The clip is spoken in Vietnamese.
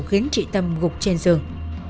khiến chị tâm gục trên giường